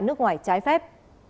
nước ngoài trái phép